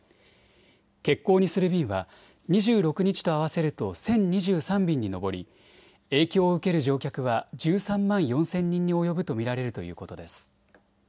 欠航にする便は２６日と合わせると１０２３便に上り影響を受ける乗客は１３万４０００人に及ぶと見られるということです。